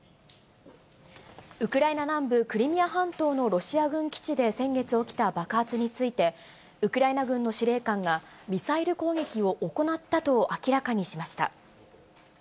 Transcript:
ウクライナ南部クリミア半島のロシア軍基地で先月起きた爆発について、ウクライナ軍の司令官が、ミサイル攻撃を行ったと明らかにしました。